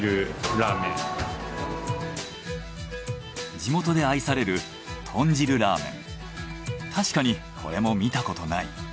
地元で愛される確かにこれも見たことない。